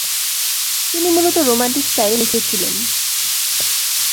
তিনি মূলত রোমান্টিক স্টাইলে লিখেছিলেন।